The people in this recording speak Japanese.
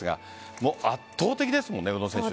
もう圧倒的ですもんね宇野選手。